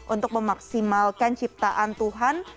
untuk memaksimalkan ciptaan tuhan